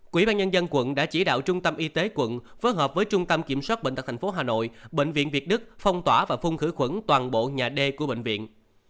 quỹ ban nhân dân quận đã chỉ đạo trung tâm y tế quận phối hợp với trung tâm kiểm soát bệnh tật tp hà nội bệnh viện việt đức phong tỏa và phun khử khuẩn toàn bộ nhà d của bệnh viện